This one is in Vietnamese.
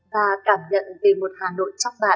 và cảm nhận về một hà nội chắc bạn